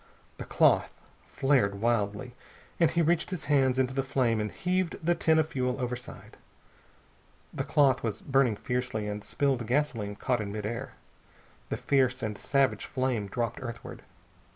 The cloth flared wildly, and he reached his hands into the flame and heaved the tin of fuel overside. The cloth was burning fiercely, and spilled gasoline caught in mid air. A fierce and savage flame dropped earthward.